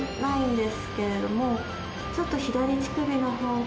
ちょっと。